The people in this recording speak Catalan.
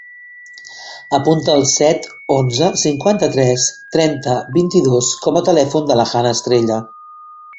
Apunta el set, onze, cinquanta-tres, trenta, vint-i-dos com a telèfon de la Hannah Estrella.